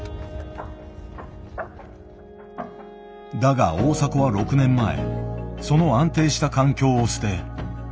だが大迫は６年前その安定した環境を捨て海外に飛び出した。